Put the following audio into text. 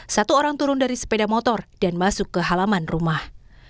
satu orang turun dari sepeda motor dan masuk ke halaman rumah